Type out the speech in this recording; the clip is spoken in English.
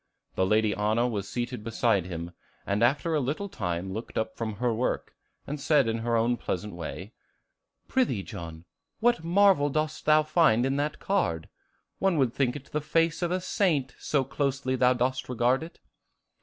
The Lady Anna was seated beside him, and after a little time looked up from her work, and said in her own pleasant way, "Prithee, John, what marvel dost thou find in that card? One would think it the face of a saint, so closely thou dost regard it."